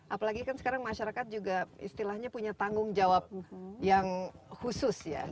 apalagi kan sekarang masyarakat juga istilahnya punya tanggung jawab yang khusus ya